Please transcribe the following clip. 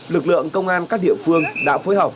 lực lượng công an các địa phương đã phối hợp